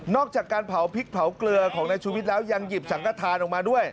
จากการเผาพริกเผาเกลือของนายชุวิตแล้วยังหยิบสังกฐานออกมาด้วย